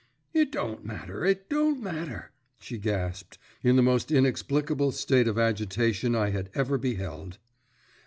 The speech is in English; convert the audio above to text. "It don't matter, it don't matter!" she gasped, in the most inexplicable state of agitation I had ever beheld.